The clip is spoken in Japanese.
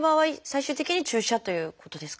最終的に注射ということですか？